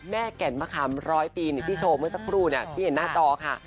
แก่นมะขามร้อยปีที่โชว์เมื่อสักครู่ที่เห็นหน้าจอค่ะ